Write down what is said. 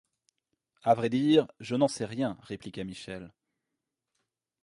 À vrai dire, je n’en sais rien, répliqua Michel.